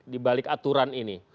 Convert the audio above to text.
di balik aturan ini